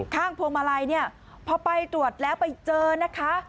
ตรงไหนเนี่ยพอไปตรวจแล้วไปเจอนะคะ